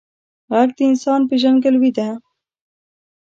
غږ د انسان پیژندګلوي ده